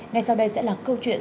ngay sau đây sẽ là câu chuyện